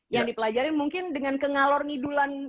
yang dipelajarin mungkin dengan kengalor ngidulan